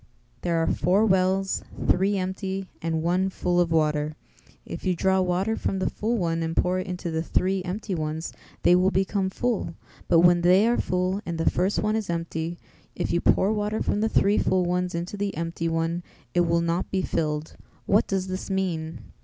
There are four wells, three empty and one full of water; if you draw water from the full one and pour it into the three empty ones they will become full; but when they are full and the first one is empty, if you pour water from the three full ones into the empty one it will not be filled; what does this mean?"